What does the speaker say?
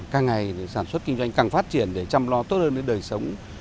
càng ngày sản xuất kinh doanh càng phát triển để chăm lo tốt hơn đến đời sống